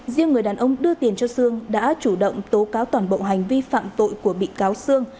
riêng người đàn ông đưa tiền cho sương đã chủ động tố cáo toàn bộ hành vi phạm tội của bị cáo sương